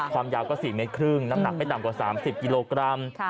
ความยาวก็๔เมตรครึ่งน้ำหนักไม่ต่ำกว่า๓๐กิโลกรัม